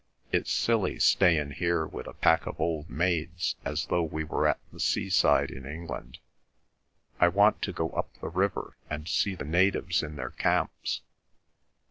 It's silly stayin' here with a pack of old maids as though we were at the seaside in England. I want to go up the river and see the natives in their camps.